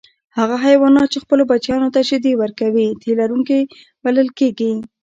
هغه حیوانات چې خپلو بچیانو ته شیدې ورکوي تی لرونکي بلل کیږي